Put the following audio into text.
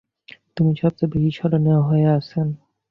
তিনি সবচেয়ে বেশি স্মরণীয় হয়ে আছেন।